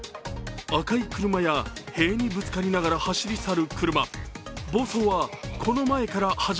赤い車や塀にぶつかりながら走り去る車。